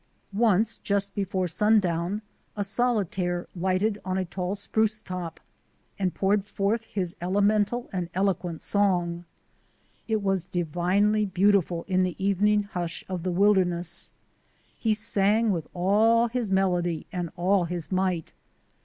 Once, just before sundown, a solitaire lighted on a tall spruce top and poured forth his elemental and eloquent song. It was divinely beautiful in the evening hush of the wilderness. He sang with all his melody and all his might.